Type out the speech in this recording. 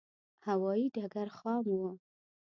هوایې ډګر خام و.